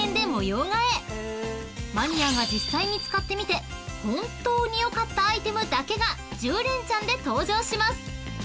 ［マニアが実際に使ってみて本当によかったアイテムだけが１０連ちゃんで登場します］